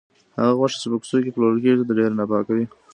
هغه غوښه چې په کوڅو کې پلورل کیږي، ډېره ناپاکه وي.